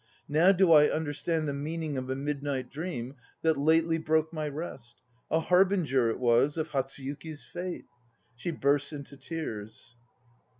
Now do I understand The meaning of a midnight dream That lately broke my rest. A harbinger it was Of Hatsuyuki's fate. (She bursts into tears.)